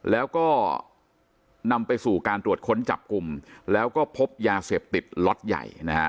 แล้วก็นำไปสู่การตรวจค้นจับกลุ่มแล้วก็พบยาเสพติดล็อตใหญ่นะฮะ